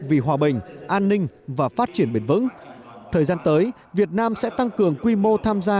vì hòa bình an ninh và phát triển bền vững thời gian tới việt nam sẽ tăng cường quy mô tham gia